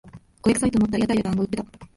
焦げくさいと思ったら屋台でだんご売ってた